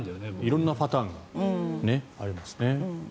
色んなパターンがあるんですね。